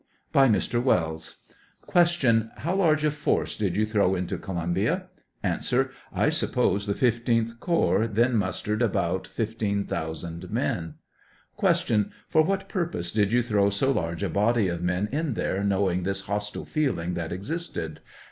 By Mr. Wells: Q. How large a force did you throw into Columbia ? A. I suppose the 15th corps, then, mustered about 15,000 men. Q. For what purpose did you throw so large a body of men in there, knowing this hostile feeling that existed